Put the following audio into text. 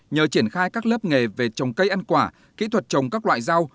nhờ triển khai các lớp nghề về trồng cây ăn quả kỹ thuật trồng các loại rau